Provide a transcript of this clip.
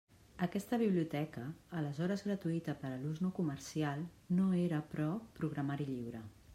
Aquesta biblioteca, aleshores gratuïta per a l'ús no comercial, no era, però, programari lliure.